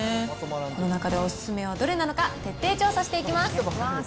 この中でお勧めはどれなのか、徹底調査していきます。